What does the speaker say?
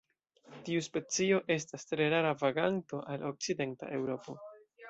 Tiu specio estas tre rara vaganto al okcidenta Eŭropo.